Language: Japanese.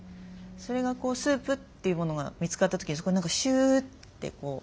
それがスープっていうものが見つかった時にそこに何かシューッてこう。